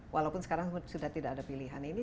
walaupun sekarang sudah tidak ada pilihan ini